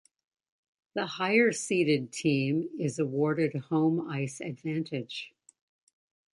The higher-seeded team is awarded home ice advantage.